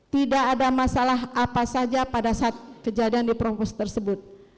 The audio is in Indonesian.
tidak ada masalah apa saja pada saat kejadian di provos tersebut